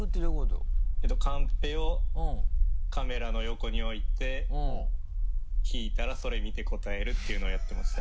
カンペをカメラの横に置いて引いたらそれ見て答えるっていうのをやってました。